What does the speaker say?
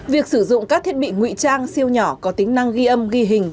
việc sử dụng các thiết bị ngụy trang siêu nhỏ có tính năng ghi âm ghi hình